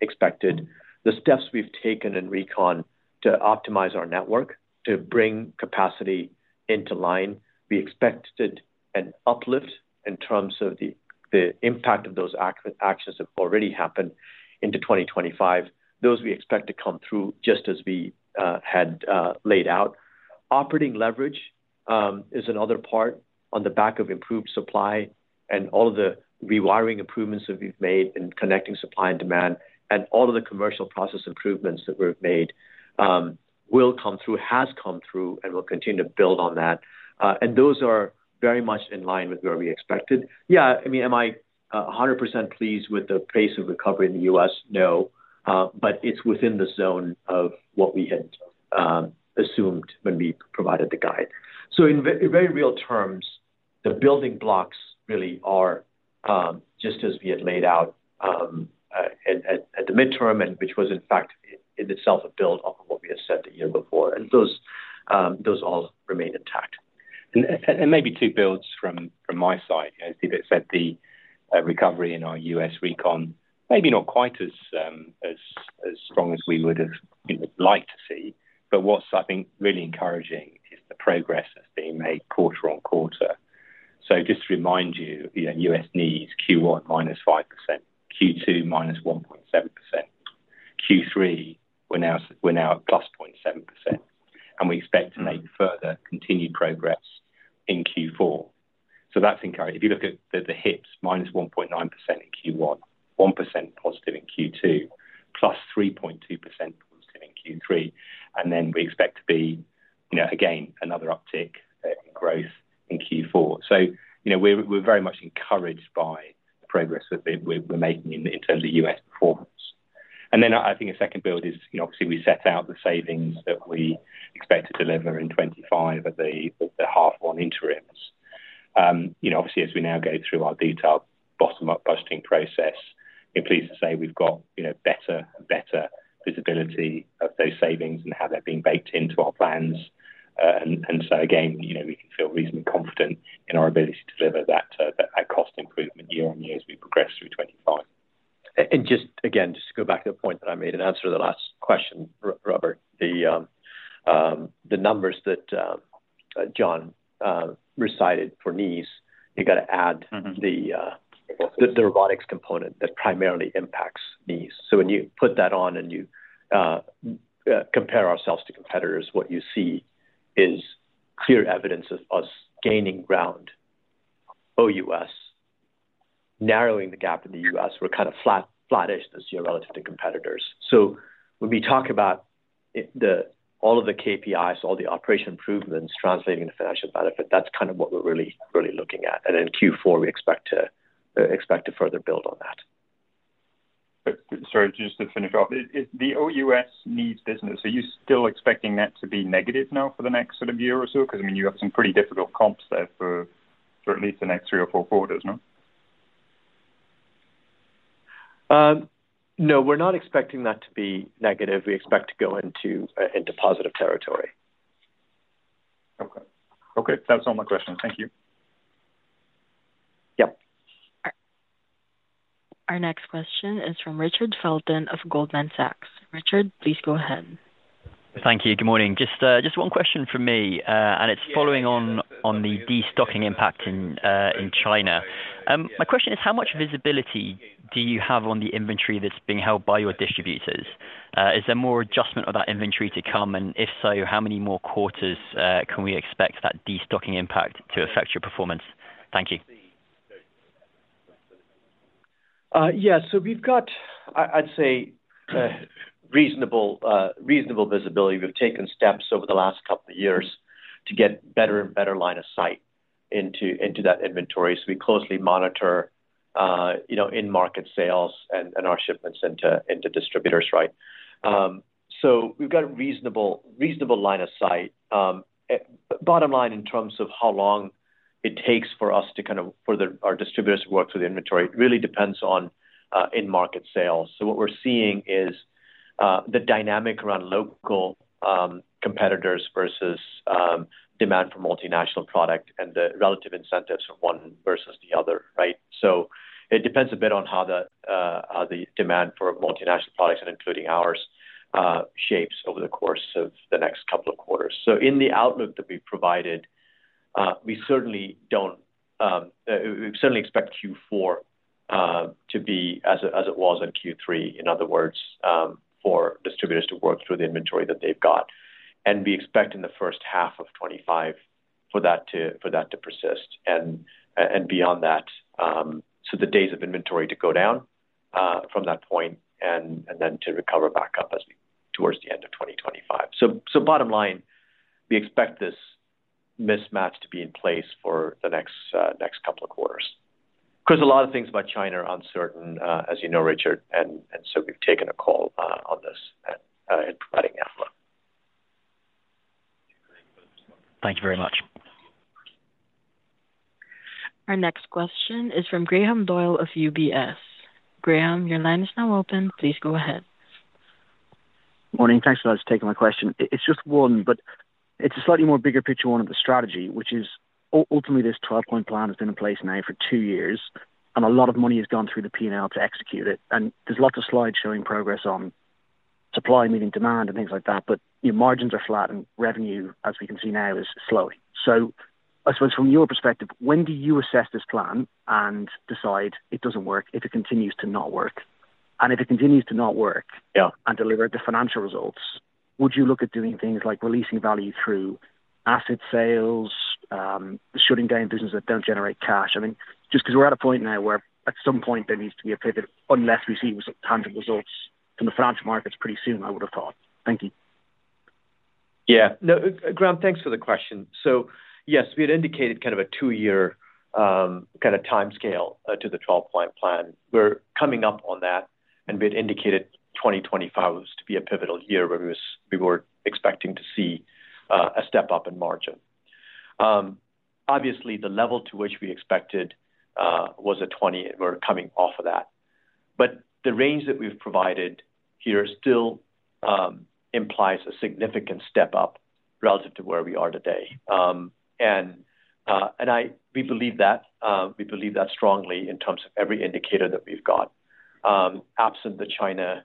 expected. The steps we've taken in Recon to optimize our network to bring capacity into line. We expected an uplift in terms of the impact of those actions that have already happened into 2025. Those we expect to come through just as we had laid out. Operating leverage is another part on the back of improved supply and all of the rewiring improvements that we've made in connecting supply and demand and all of the commercial process improvements that we've made will come through, has come through, and we'll continue to build on that and those are very much in line with where we expected. Yeah, I mean, am I 100% pleased with the pace of recovery in the U.S.? No. But it's within the zone of what we had assumed when we provided the guide. So in very real terms, the building blocks really are just as we had laid out at the midterm, which was in fact in itself a build on what we had said the year before. And those all remain intact. And maybe two builds from my side. As Deepak said, the recovery in our U.S. recon may not be quite as strong as we would have liked to see. But what's, I think, really encouraging is the progress that's being made quarter-on-quarter. So just to remind you, U.S. knees, Q1 minus 5%, Q2 minus 1.7%. Q3, we're now at plus 0.7%. And we expect to make further continued progress in Q4. So that's encouraging. If you look at the hips, minus 1.9% in Q1, 1% positive in Q2, plus 3.2% positive in Q3. And then we expect to be, again, another uptick in growth in Q4. So we're very much encouraged by the progress we're making in terms of U.S. performance. And then I think a second build is, obviously, we set out the savings that we expect to deliver in 2025 at the half one interims. Obviously, as we now go through our detailed bottom-up budgeting process, I'm pleased to say we've got better and better visibility of those savings and how they're being baked into our plans, and so again, we can feel reasonably confident in our ability to deliver that cost improvement year-on-year as we progress through 2025. Just again, just to go back to the point that I made in answer to the last question, Robert, the numbers that John recited for knees. You've got to add the robotics component that primarily impacts knees. When you put that on and you compare ourselves to competitors, what you see is clear evidence of us gaining ground OUS, narrowing the gap in the US. We're kind of flattish this year relative to competitors. When we talk about all of the KPIs, all the operation improvements translating into financial benefit, that's kind of what we're really looking at. In Q4, we expect to further build on that. Sorry, just to finish off, the OUS knees business, are you still expecting that to be negative now for the next sort of year or so? Because, I mean, you have some pretty difficult comps there for at least the next three or four quarters, no? No, we're not expecting that to be negative. We expect to go into positive territory. Okay. Okay. That's all my questions. Thank you. Yep. Our next question is from Richard Felton of Goldman Sachs. Richard, please go ahead. Thank you. Good morning. Just one question for me. And it's following on the destocking impact in China. My question is, how much visibility do you have on the inventory that's being held by your distributors? Is there more adjustment of that inventory to come? And if so, how many more quarters can we expect that destocking impact to affect your performance? Thank you. Yeah. So we've got, I'd say, reasonable visibility. We've taken steps over the last couple of years to get better and better line of sight into that inventory. So we closely monitor in-market sales and our shipments into distributors, right? So we've got a reasonable line of sight. Bottom line, in terms of how long it takes for us to kind of for our distributors to work through the inventory, it really depends on in-market sales. So what we're seeing is the dynamic around local competitors versus demand for multinational product and the relative incentives of one versus the other, right? So it depends a bit on how the demand for multinational products, including ours, shapes over the course of the next couple of quarters. So in the outlook that we've provided, we certainly expect Q4 to be as it was in Q3, in other words, for distributors to work through the inventory that they've got. And we expect in the first half of 2025 for that to persist and beyond that, so the days of inventory to go down from that point and then to recover back up towards the end of 2025. So bottom line, we expect this mismatch to be in place for the next couple of quarters because a lot of things about China are uncertain, as you know, Richard. And so we've taken a call on this and providing outlook. Thank you very much. Our next question is from Graham Doyle of UBS. Graham, your line is now open. Please go ahead. Morning. Thanks for taking my question. It's just one, but it's a slightly more bigger picture one of the strategy, which is ultimately this 12-Point Plan has been in place now for two years, and a lot of money has gone through the P&L to execute it. And there's lots of slides showing progress on supply meeting demand and things like that, but margins are flat and revenue, as we can see now, is slowing. So I suppose from your perspective, when do you assess this plan and decide it doesn't work if it continues to not work? And if it continues to not work and deliver the financial results, would you look at doing things like releasing value through asset sales, shutting down businesses that don't generate cash? I mean, just because we're at a point now where at some point there needs to be a pivot unless we see tangible results from the financial markets pretty soon, I would have thought. Thank you. Yeah. No, Graham, thanks for the question. So yes, we had indicated kind of a two-year kind of timescale to the 12-Point Plan. We're coming up on that, and we had indicated 2025 was to be a pivotal year where we were expecting to see a step up in margin. Obviously, the level to which we expected was a 20%, and we're coming off of that. But the range that we've provided here still implies a significant step up relative to where we are today, and we believe that. We believe that strongly in terms of every indicator that we've got. Absent the China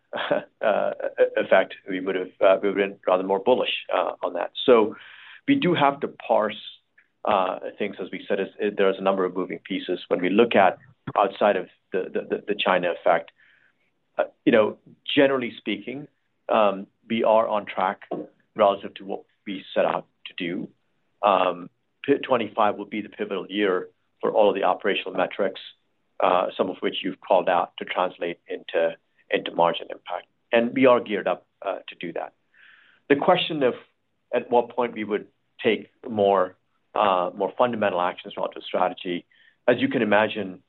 effect, we would have been rather more bullish on that, so we do have to parse things. As we said, there are a number of moving pieces. When we look at outside of the China effect, generally speaking, we are on track relative to what we set out to do. 2025 will be the pivotal year for all of the operational metrics, some of which you've called out to translate into margin impact, and we are geared up to do that. The question of at what point we would take more fundamental actions relative to strategy, as you can imagine,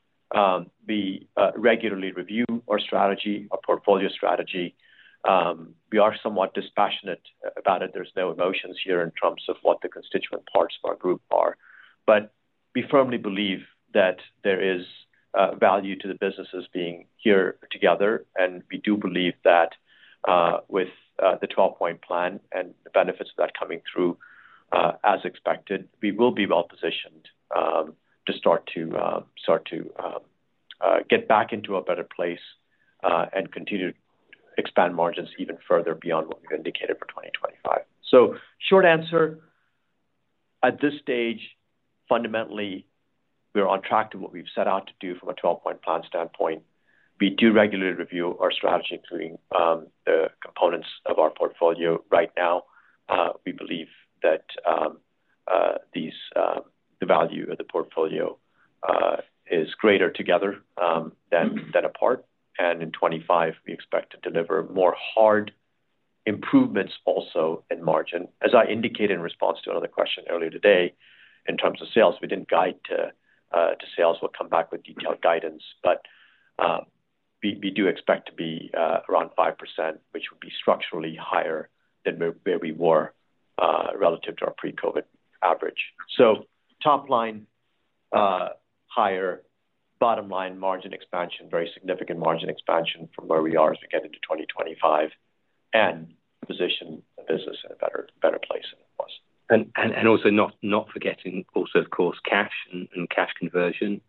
we regularly review our strategy, our portfolio strategy. We are somewhat dispassionate about it. There's no emotions here in terms of what the constituent parts of our group are, but we firmly believe that there is value to the businesses being here together. We do believe that with the 12-Point Plan and the benefits of that coming through, as expected, we will be well positioned to start to get back into a better place and continue to expand margins even further beyond what we've indicated for 2025. Short answer, at this stage, fundamentally, we're on track to what we've set out to do from a 12-Point Plan standpoint. We do regularly review our strategy, including the components of our portfolio. Right now, we believe that the value of the portfolio is greater together than apart. In 2025, we expect to deliver more hard improvements also in margin. As I indicated in response to another question earlier today, in terms of sales, we didn't guide to sales. We'll come back with detailed guidance. But we do expect to be around 5%, which would be structurally higher than where we were relative to our pre-COVID average. So top line higher, bottom line margin expansion, very significant margin expansion from where we are as we get into 2025, and position the business in a better place than it was. Also not forgetting also, of course, cash and cash conversion.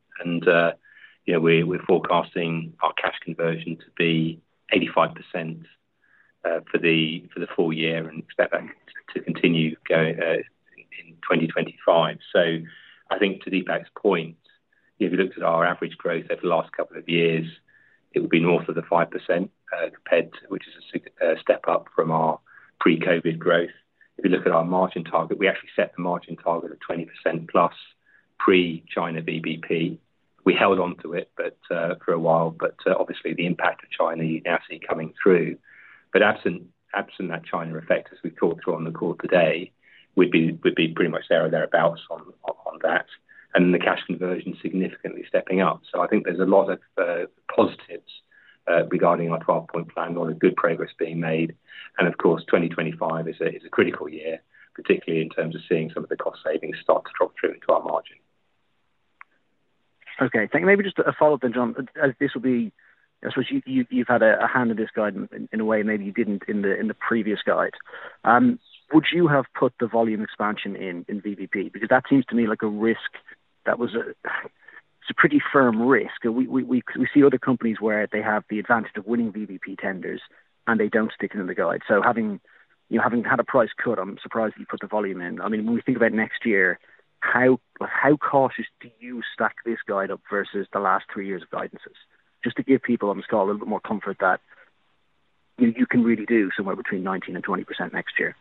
We're forecasting our cash conversion to be 85% for the full year and expect that to continue in 2025. I think to Deepak's point, if you looked at our average growth over the last couple of years, it would be north of the 5%, which is a step up from our pre-COVID growth. If you look at our margin target, we actually set the margin target of 20% plus pre-China VBP. We held on to it for a while, but obviously, the impact of China you now see coming through. Absent that China effect, as we talked through on the call today, we'd be pretty much there or thereabouts on that. The cash conversion is significantly stepping up. I think there's a lot of positives regarding our 12-Point Plan, a lot of good progress being made. Of course, 2025 is a critical year, particularly in terms of seeing some of the cost savings start to drop through into our margin. Okay. Thank you. Maybe just a follow-up then, John, as this will be I suppose you've had a hand in this guide in a way maybe you didn't in the previous guide. Would you have put the volume expansion in VBP? Because that seems to me like a risk that was a pretty firm risk. We see other companies where they have the advantage of winning VBP tenders, and they don't stick it in the guide. So having had a price cut, I'm surprised that you put the volume in. I mean, when we think about next year, how cautious do you stack this guide up versus the last three years of guidances? Just to give people on the call a little bit more comfort that you can really do somewhere between 19%-20% next year.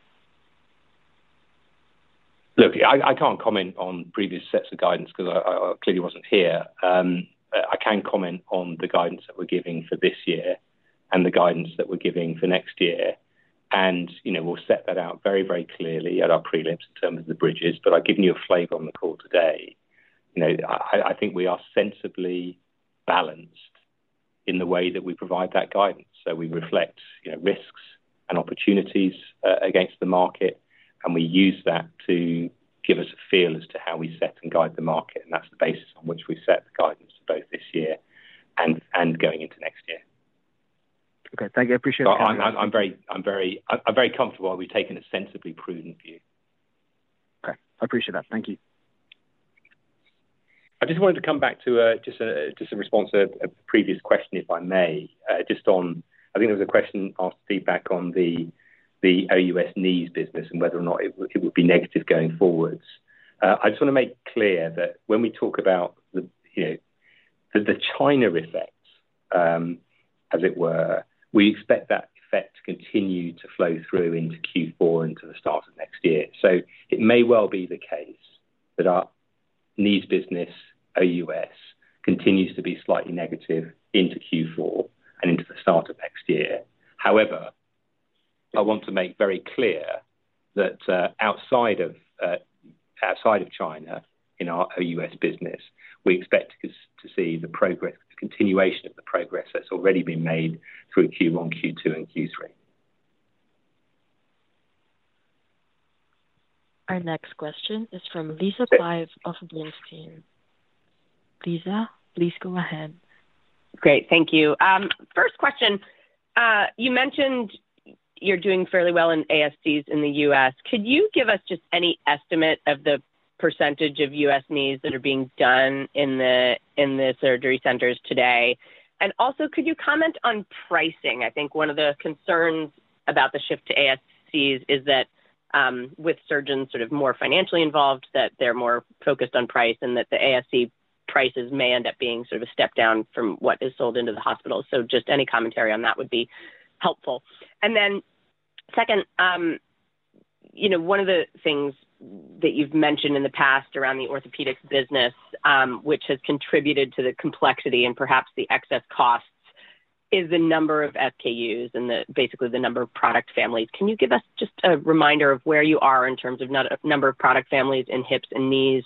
Look, I can't comment on previous sets of guidance because I clearly wasn't here. I can comment on the guidance that we're giving for this year and the guidance that we're giving for next year. And we'll set that out very, very clearly at our prelims in terms of the bridges. But I've given you a flavor on the call today. I think we are sensibly balanced in the way that we provide that guidance. So we reflect risks and opportunities against the market, and we use that to give us a feel as to how we set and guide the market. And that's the basis on which we set the guidance for both this year and going into next year. Okay. Thank you. I appreciate that. I'm very comfortable that we've taken a sensibly prudent view. Okay. I appreciate that. Thank you. I just wanted to come back to just a response to a previous question, if I may, just on I think there was a question asked feedback on the OUS knees business and whether or not it would be negative going forwards. I just want to make clear that when we talk about the China effect, as it were, we expect that effect to continue to flow through into Q4 and into the start of next year. So it may well be the case that our knees business, OUS, continues to be slightly negative into Q4 and into the start of next year. However, I want to make very clear that outside of China, in our OUS business, we expect to see the continuation of the progress that's already been made through Q1, Q2, and Q3. Our next question is from Lisa Bedell Clive of Bernstein. Lisa, please go ahead. Great. Thank you. First question, you mentioned you're doing fairly well in ASCs in the U.S. Could you give us just any estimate of the percentage of U.S. knees that are being done in the surgery centers today? And also, could you comment on pricing? I think one of the concerns about the shift to ASCs is that with surgeons sort of more financially involved, that they're more focused on price and that the ASC prices may end up being sort of a step down from what is sold into the hospital. So just any commentary on that would be helpful. And then second, one of the things that you've mentioned in the past around the Orthopedics business, which has contributed to the complexity and perhaps the excess costs, is the number of SKUs and basically the number of product families. Can you give us just a reminder of where you are in terms of number of product families in hips and knees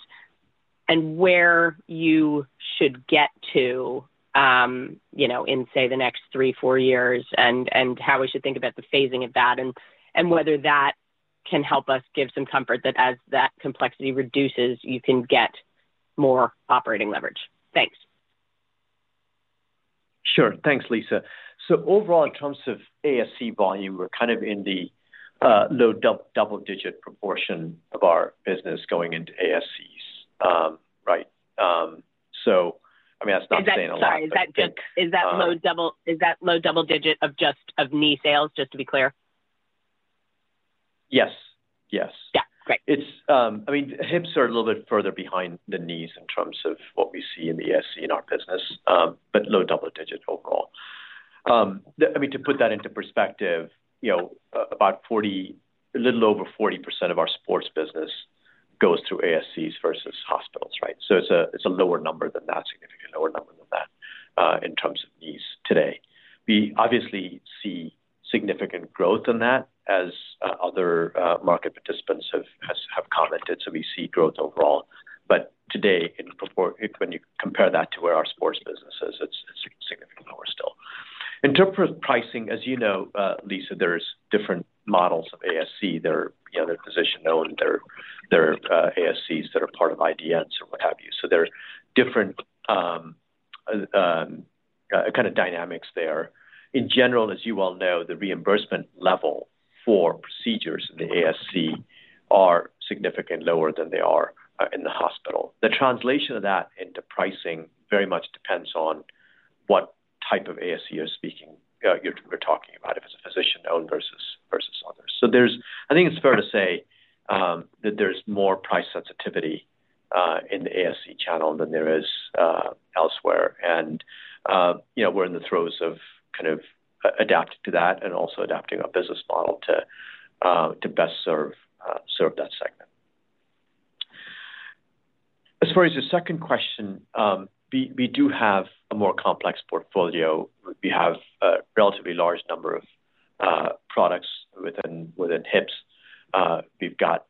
and where you should get to in, say, the next three, four years, and how we should think about the phasing of that and whether that can help us give some comfort that as that complexity reduces, you can get more operating leverage? Thanks. Sure. Thanks, Lisa. So overall, in terms of ASC volume, we're kind of in the low double-digit proportion of our business going into ASCs, right? So I mean, that's not saying a lot. Is that low double-digit of just knee sales, just to be clear? Yes. Yes. Yeah. Great. I mean, hips are a little bit further behind than knees in terms of what we see in the ASC in our business, but low double-digit overall. I mean, to put that into perspective, about a little over 40% of our sports business goes through ASCs versus hospitals, right? So it's a lower number than that, significantly lower number than that in terms of knees today. We obviously see significant growth in that, as other market participants have commented. So we see growth overall. But today, when you compare that to where our sports business is, it's significantly lower still. In terms of pricing, as you know, Lisa, there are different models of ASC. There are physician-owned ASCs that are part of IDNs or what have you. So there are different kind of dynamics there. In general, as you well know, the reimbursement level for procedures in the ASC are significantly lower than they are in the hospital. The translation of that into pricing very much depends on what type of ASC you're talking about, if it's a physician-owned versus others. So I think it's fair to say that there's more price sensitivity in the ASC channel than there is elsewhere. And we're in the throes of kind of adapting to that and also adapting our business model to best serve that segment. As far as your second question, we do have a more complex portfolio. We have a relatively large number of products within hips. We've got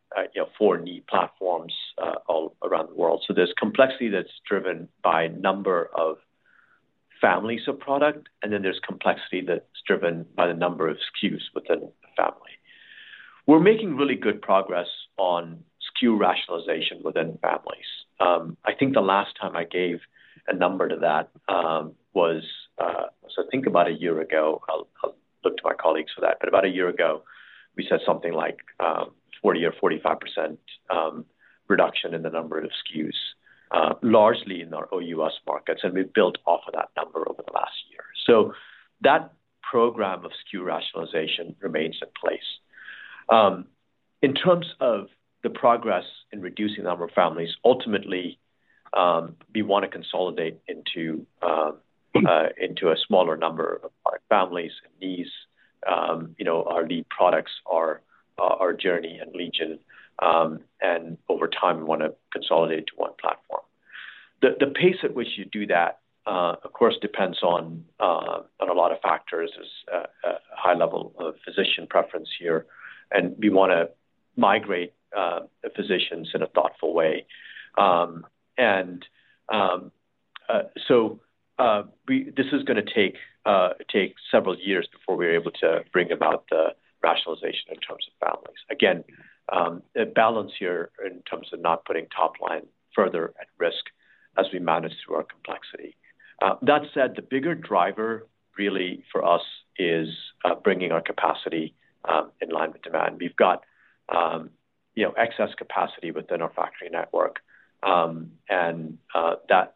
four knee platforms all around the world. So there's complexity that's driven by number of families of product, and then there's complexity that's driven by the number of SKUs within a family. We're making really good progress on SKU rationalization within families. I think the last time I gave a number to that was, so I think about a year ago. I'll look to my colleagues for that. But about a year ago, we said something like 40% or 45% reduction in the number of SKUs, largely in our OUS markets. And we've built off of that number over the last year. So that program of SKU rationalization remains in place. In terms of the progress in reducing the number of families, ultimately, we want to consolidate into a smaller number of product families and knees. Our lead products are JOURNEY and LEGION. And over time, we want to consolidate to one platform. The pace at which you do that, of course, depends on a lot of factors, a high level of physician preference here. We want to migrate physicians in a thoughtful way. So this is going to take several years before we're able to bring about the rationalization in terms of families. Again, balance here in terms of not putting top line further at risk as we manage through our complexity. That said, the bigger driver really for us is bringing our capacity in line with demand. We've got excess capacity within our factory network.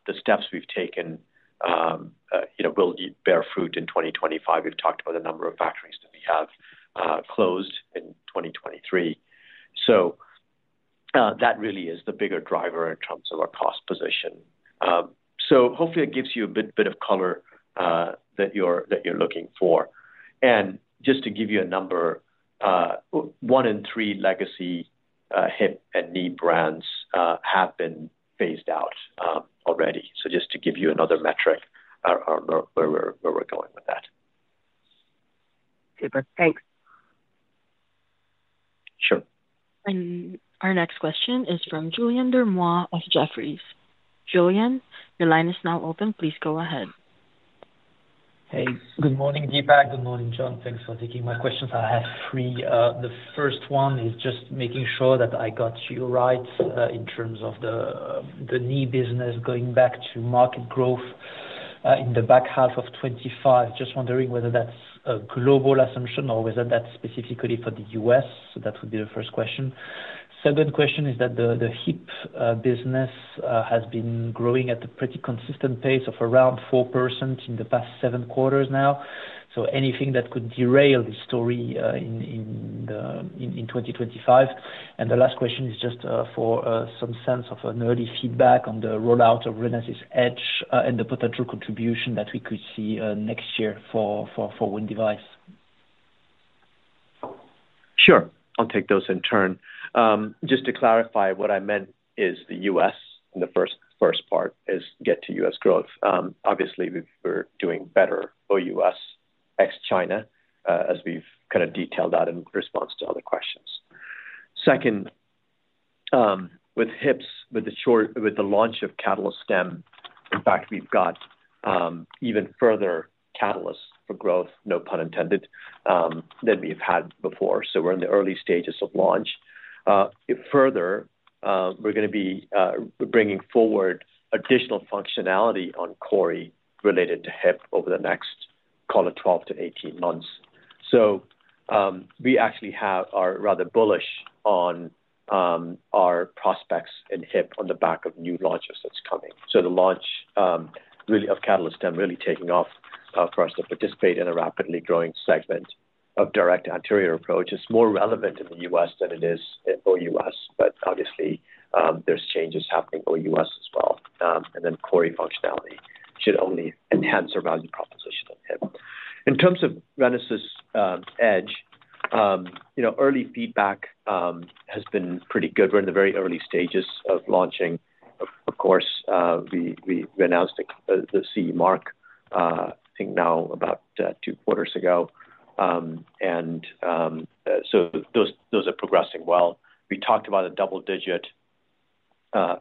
The steps we've taken will bear fruit in 2025. We've talked about the number of factories that we have closed in 2023. That really is the bigger driver in terms of our cost position. Hopefully, it gives you a bit of color that you're looking for. Just to give you a number, one in three legacy hip and knee brands have been phased out already. So just to give you another metric where we're going with that. Super. Thanks. Sure. Our next question is from Julien Dormois of Jefferies. Julien, your line is now open. Please go ahead. Hey. Good morning, Deepak. Good morning, John. Thanks for taking my questions. I had three. The first one is just making sure that I got you right in terms of the knee business going back to market growth in the back half of 2025. Just wondering whether that's a global assumption or whether that's specifically for the US. So that would be the first question. Second question is that the hip business has been growing at a pretty consistent pace of around 4% in the past seven quarters now. So anything that could derail the story in 2025? And the last question is just for some sense of an early feedback on the rollout of RENASYS EDGE and the potential contribution that we could see next year for wound device. Sure. I'll take those in turn. Just to clarify, what I meant is the U.S. in the first part is getting to U.S. growth. Obviously, we're doing better OUS ex-China, as we've kind of detailed that in response to other questions. Second, with hips, with the launch of CATALYSTEM, in fact, we've got even further catalysts for growth, no pun intended, than we've had before. So we're in the early stages of launch. Further, we're going to be bringing forward additional functionality on CORI related to hip over the next, call it, 12 months - 18 months. So we actually are rather bullish on our prospects in hip on the back of new launches that's coming. So the launch really of CATALYSTEM really taking off for us to participate in a rapidly growing segment of direct anterior approach. It's more relevant in the U.S. than it is in OUS. But obviously, there's changes happening in OUS as well. And then CORI functionality should only enhance our value proposition in hip. In terms of RENASYS EDGE, early feedback has been pretty good. We're in the very early stages of launching. Of course, we announced the CE Mark, I think, now about two quarters ago. And so those are progressing well. We talked about a double-digit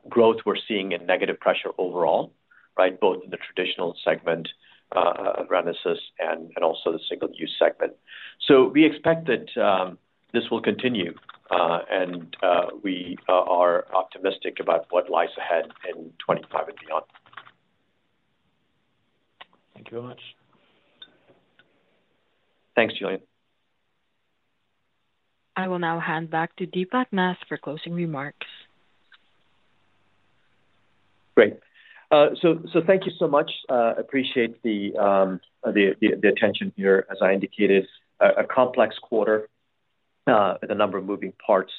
growth we're seeing in negative pressure overall, right, both in the traditional segment of RENASYS and also the single-use segment. So we expect that this will continue. And we are optimistic about what lies ahead in 2025 and beyond. Thank you very much. Thanks, Julien. I will now hand back to Deepak Nath for closing remarks. Great. So thank you so much. I appreciate the attention here. As I indicated, a complex quarter with a number of moving parts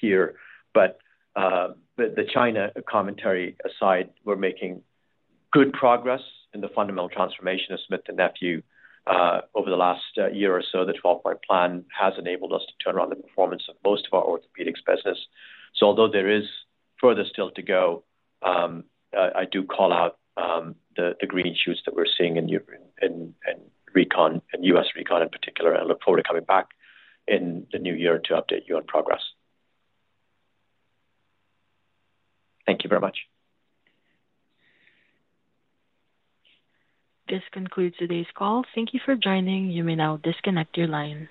here. But the China commentary aside, we're making good progress in the fundamental transformation of Smith & Nephew over the last year or so. The 12-Point Plan has enabled us to turn around the performance of most of our Orthopedics business. So although there is further still to go, I do call out the green shoots that we're seeing in recon and U.S. Recon in particular. I look forward to coming back in the new year to update you on progress. Thank you very much. This concludes today's call. Thank you for joining. You may now disconnect your lines.